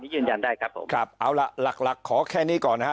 ยืนยันได้ครับผมครับเอาล่ะหลักหลักขอแค่นี้ก่อนนะฮะ